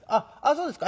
そうですか。